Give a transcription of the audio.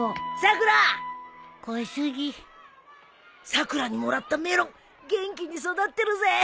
さくらにもらったメロン元気に育ってるぜ。